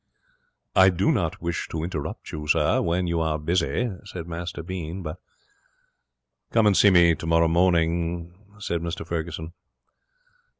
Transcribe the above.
'I do not wish to interrupt you, sir, when you are busy,' said Master Bean, 'but ' 'Come and see me tomorrow morning,' said Mr Ferguson.